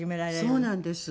そうなんです。